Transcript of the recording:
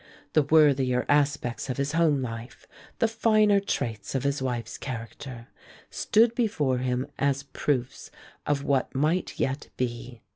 The worthier aspects of his home life, the finer traits of his wife's character, stood before him as proofs of what might yet be.